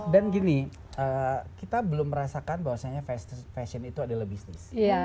dan gini kita belum merasakan bahwasanya fashion itu adalah bisnis